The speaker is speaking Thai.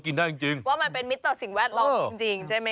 คุณน่าถ้าอยากจะหิว